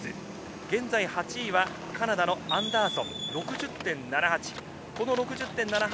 現在８位はカナダのアンダーソン、６０．７８。